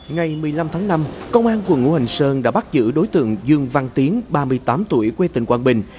ngày một mươi năm tháng năm công an quận ngũ hành sơn đã bắt giữ đối tượng dương văn tiến ba mươi tám tuổi quê tỉnh quảng bình